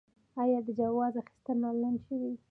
آیا د جواز اخیستل آنلاین شوي؟